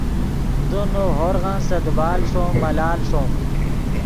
زو نؤ ہورغن سے دیبال ݰوم ملال ݰوم